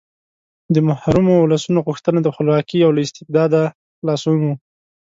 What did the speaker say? د محرومو ولسونو غوښتنه خپلواکي او له استبداده خلاصون و.